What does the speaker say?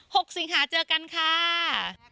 สิงหาเจอกันค่ะ